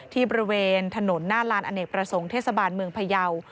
บริเวณถนนหน้าลานอเนกประสงค์เทศบาลเมืองพยาว